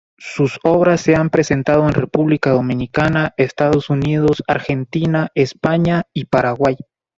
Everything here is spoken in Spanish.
Sus obras se han presentado en República Dominicana, Estados Unidos, Argentina, España y Paraguay.